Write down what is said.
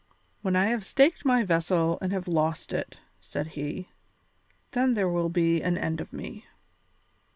"When I have staked my vessel and have lost it," said he, "then there will be an end of me."